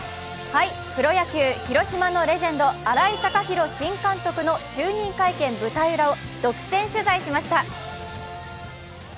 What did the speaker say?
プロ野球、広島のレジェンド、新井貴浩新監督の就任会見舞台裏を独占取材しました。